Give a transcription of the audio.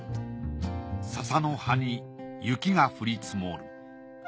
笹の葉に雪が降り積もる。